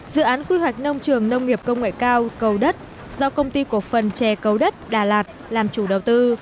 dự án quy hoạch nông trường nông nghiệp công nghệ cao cầu đất do công ty cộng phần chè cầu đất đà lạt làm chủ đầu tư